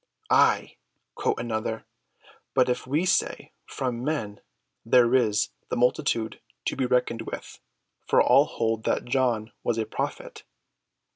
"Ay," quoth another, "but if we say, From men, there is the multitude to be reckoned with, for all hold that John was a prophet."